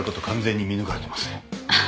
完全に見抜かれてますね。